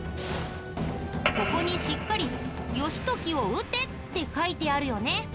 ここにしっかり義時を討てって書いてあるよね。